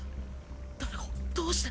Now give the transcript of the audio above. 誰がどうして。